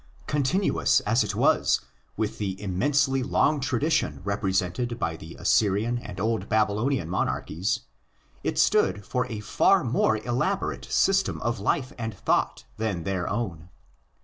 Continuous as if was with the immensely long tradition repre sented by the Assyrian and Old Babylonian monarchies, it stood for a far more elaborate system of life and thought than their own.